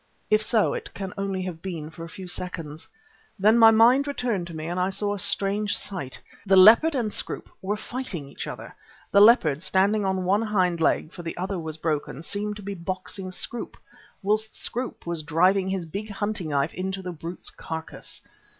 If so, it can only have been for a few seconds. Then my mind returned to me and I saw a strange sight. The leopard and Scroope were fighting each other. The leopard, standing on one hind leg, for the other was broken, seemed to be boxing Scroope, whilst Scroope was driving his big hunting knife into the brute's carcase.